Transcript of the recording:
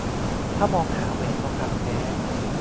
ถ้ามองหาแหวนทองคำแท้